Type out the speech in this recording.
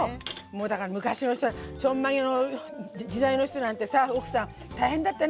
もうだから昔の人ちょんまげの時代の人なんてさ奥さん大変だったねみんなね。